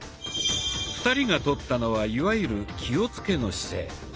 ２人がとったのはいわゆる「気をつけ」の姿勢。